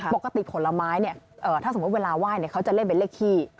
ปกติผลไม้ถ้าเวลาไหว้จะเล่นเป็นเลขคี่